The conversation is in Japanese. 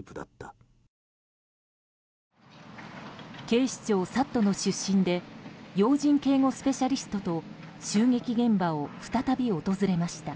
警視庁ＳＡＴの出身で要人警護スペシャリストと襲撃現場を再び訪れました。